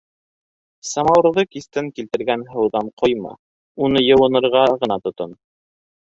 — Самауырҙы кистән килтергән һыуҙан ҡойма, уны йыуынырға ғына тотон...